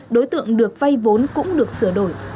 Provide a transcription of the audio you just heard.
đối tượng được vay vốn cũng được sửa đổi